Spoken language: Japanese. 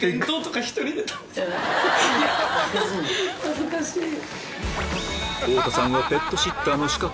恥ずかしい！